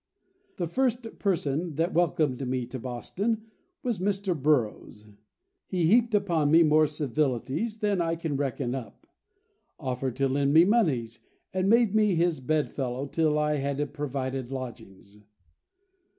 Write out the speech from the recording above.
The first person that welcomed me to Boston was Mr. Burroughs. He heaped upon me more civilities than I can reckon up, offered to lend me moneys, and made me his bedfellow till I had provided lodgings."